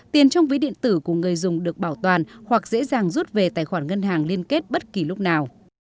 tiền trong ví điện tử của người dùng được bảo toàn hoặc dễ dàng rút về tài khoản ngân hàng liên kết bất kỳ lúc nào